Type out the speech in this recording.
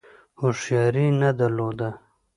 هوښیاري نه درلوده.